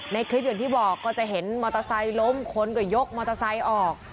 ในคลิปอย่างที่บอกก็จะเห็นมอเตอร์ไซค์ล้มคนก็ยกมอเตอร์ไซค์ออก